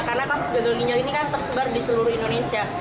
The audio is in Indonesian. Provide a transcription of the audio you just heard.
karena kasus gagal ginjal ini kan tersebar di seluruh indonesia